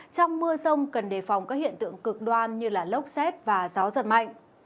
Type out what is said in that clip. trong mưa rông cần đề phòng các hiện tượng cực đoan như lốc xét và gió giật mạnh